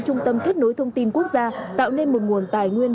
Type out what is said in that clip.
trung tâm kết nối thông tin quốc gia tạo nên một nguồn tài nguyên